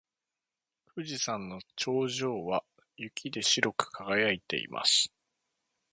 富士山の頂上は雪で白く輝いています。